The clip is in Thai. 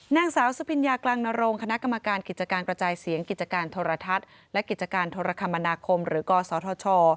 นางสาวสุพิญญากลางนรงคณะกรรมการกิจการกระจายเสียงกิจการโทรทัศน์และกิจการโทรคมนาคมหรือกศธช